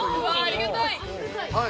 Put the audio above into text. ◆ありがたい。